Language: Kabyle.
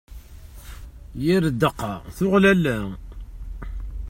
Yir ddeqqa tuɣ lalla.